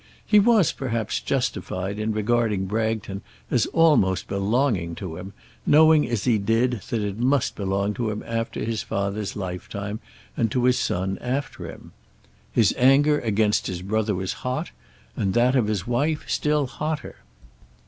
He was, perhaps, justified in regarding Bragton as almost belonging to him, knowing as he did that it must belong to him after his father's lifetime, and to his son after him. His anger against his brother was hot, and that of his wife still hotter.